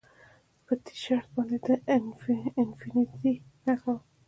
په ټي شرټ باندې د انفینټي نښه وه